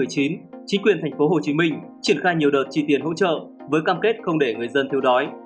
chính quyền tp hcm triển khai nhiều đợt chi tiền hỗ trợ với cam kết không để người dân thiếu đói